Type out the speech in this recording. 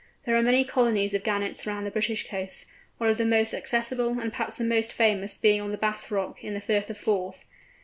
There are many colonies of Gannets round the British coasts, one of the most accessible, and perhaps the most famous, being on the Bass Rock, in the Firth of Forth.